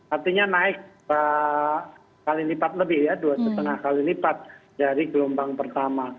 artinya naik kali nipat lebih ya dua setengah kali nipat dari gelombang pertama